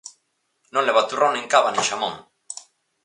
Non leva turrón nin cava nin xamón.